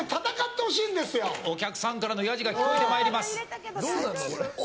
お客さんからの野次が聞こえてまいります。